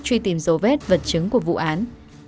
truy tìm dấu vết vật chứng của vụ án